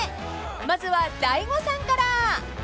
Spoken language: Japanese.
［まずは大悟さんから］